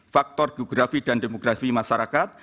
faktor geografi dan demografi masyarakat